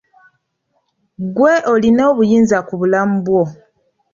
Ggwe olina obuyinza ku bulamu bwo.